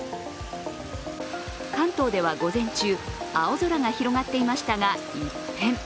関東では午前中、青空が広がっていましたが、一変。